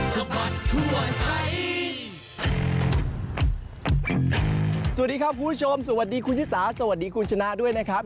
สวัสดีครับคุณผู้ชมสวัสดีคุณชิสาสวัสดีคุณชนะด้วยนะครับ